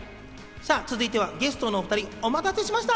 続いてはゲストのお２人、お待たせいたしました。